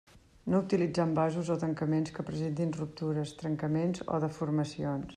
No utilitzar envasos o tancaments que presentin ruptures, trencaments o deformacions.